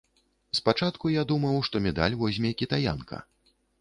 Спачатку я думаў, што медаль возьме кітаянка.